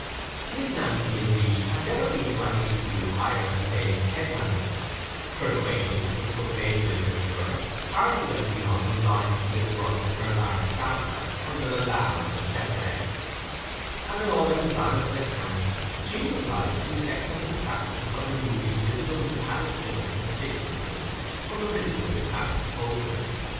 Miss Nancy, indeed, had never been to any school higher than Dame Tedman's: her acquaintance with profane literature hardly went beyond the rhymes she had worked in her large sampler under the lamb and the shepherdess; and in order to balance an account, she was obliged to effect her subtraction by removing visible metallic shillings and sixpences from a visible metallic total.